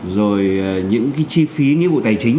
rồi những cái chi phí nghĩa vụ tài chính